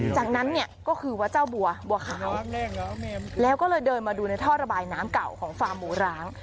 จากนั้นเนี่ยก็คือวัดเจ้าบัวบัวขาวแล้วก็เลยเดินมาดูในท่อระบายน้ำเก่าของฟาร์มหมูร้าง